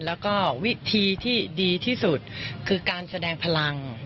แล้วก็วิธีที่ดีที่สุดคือการแสดงพลัง